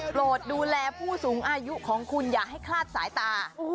โปรดดูแลผู้สูงอายุของคุณอย่าให้คลาดสายตา